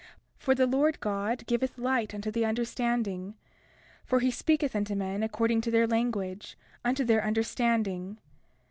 For the Lord God giveth light unto the understanding; for he speaketh unto men according to their language, unto their understanding.